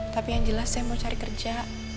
tapi yang jelas saya mau cari kerja